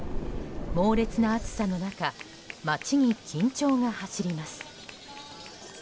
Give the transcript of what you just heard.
猛烈な暑さの中街に緊張が走ります。